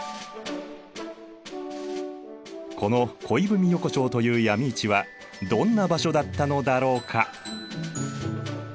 この恋文横丁という闇市はどんな場所だったのだろうか。